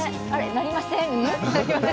なりません？